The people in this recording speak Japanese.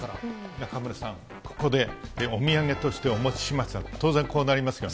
中丸さん、ここで、お土産としてお持ちしました、当然こうなりますよね。